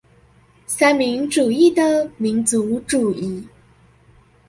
三民主義的民族主義